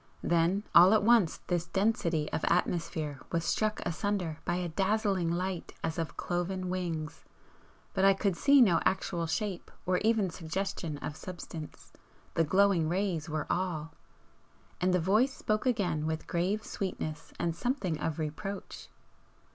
Then all at once this density of atmosphere was struck asunder by a dazzling light as of cloven wings, but I could see no actual shape or even suggestion of substance the glowing rays were all. And the Voice spoke again with grave sweetness and something of reproach.